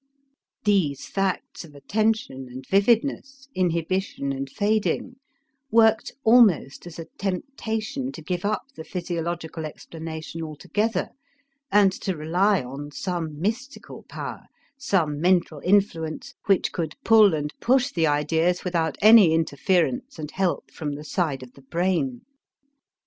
These facts of attention and vividness, inhibition and fading, worked almost as a temptation to give up the physiological explanation altogether and to rely on some mystical power, some mental influence which could pull and push the ideas without any interference and help from the side of the brain.